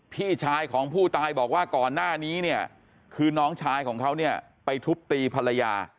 พี่ชายของผู้ตายบอกว่าก่อนหน้านี้เนี่ยคือน้องชายของเขาเนี่ยไปทุบตีภรรยา